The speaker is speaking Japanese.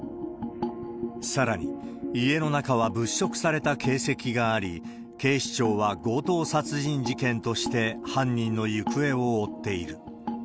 さらに、家の中は物色された形跡があり、警視庁は強盗殺人事件として犯人の行方を追っている。